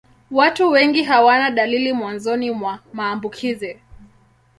Watu wengi hawana dalili mwanzoni mwa maambukizi.